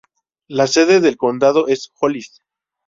La sede del condado es Hollis.